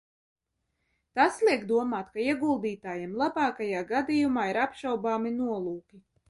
Tas liek domāt, ka ieguldītājiem labākajā gadījumā ir apšaubāmi nolūki.